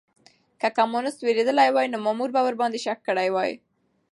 که کمونيسټ وېرېدلی وای نو مامور به ورباندې شک کړی وای.